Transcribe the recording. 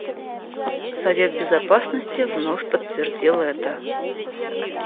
Совет Безопасности вновь подтвердил это.